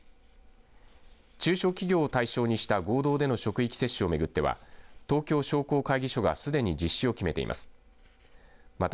中小企業を対象にした合同での職域接種をめぐっては東京商工会議所がすでに実施を決めています。